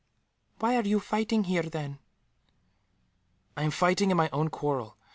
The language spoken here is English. "Why are you fighting here, then?" "I am fighting in my own quarrel.